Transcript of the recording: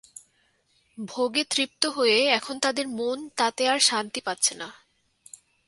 ভোগে তৃপ্ত হয়ে এখন তাদের মন তাতে আর শান্তি পাচ্ছে না।